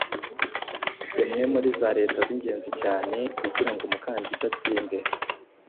imwe muri za leta z'ingenzi cyane kugira ngo umukandida atsinde